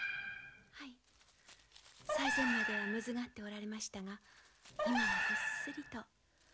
はい最前まではむずがっておられましたが今はぐっすりと。